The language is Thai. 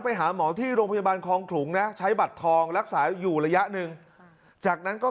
ไปหาหมอที่โรงพยาบาลคลองขลุงนะใช้บัตรทองรักษาอยู่ระยะหนึ่งจากนั้นก็